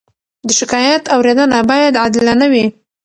د شکایت اورېدنه باید عادلانه وي.